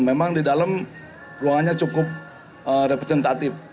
memang di dalam ruangannya cukup representatif